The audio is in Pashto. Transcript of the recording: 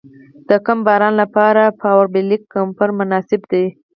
د کم باران لپاره پارابولیک کمبر مناسب دی